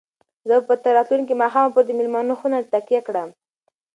زه به تر راتلونکي ماښامه پورې د مېلمنو خونه تکیه کړم.